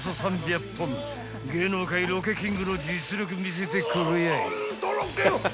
［芸能界ロケキングの実力見せてくれやい］